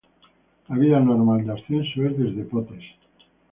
La vía normal de ascenso es desde Potes.